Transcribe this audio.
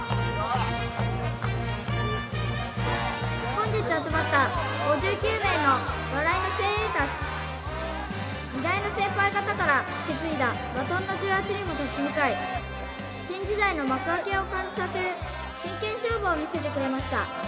本日集まった５９名の笑いの精鋭達偉大な先輩方から受け継いだバトンの重圧にも立ち向かい新時代の幕開けを感じさせる真剣勝負を見せてくれました